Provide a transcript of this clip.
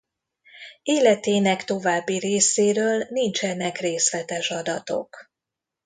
Életének további részéről nincsenek részletes adatok.